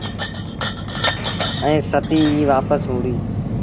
ائيٚݩ ستيٚ ئيٚ وآپس وهُڙي۔